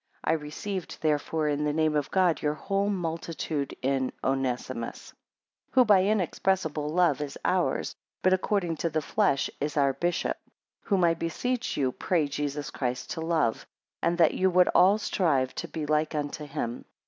I received, therefore, in the name of God, your whole multitude in Onesimus; 5 Who by: inexpressible love is ours, but according to the flesh is our bishop; whom I beseech you, pray Jesus Christ, to love: and that you would all strive to be like unto him.